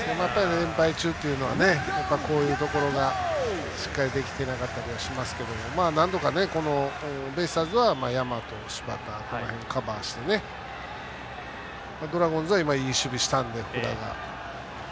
連敗中というのはやっぱりこういうところがしっかり、できていなかったりしますけどなんとか、ベイスターズは大和、柴田がカバーして、ドラゴンズは今、福田がいい守備したので。